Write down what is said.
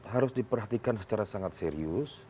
harus diperhatikan secara sangat serius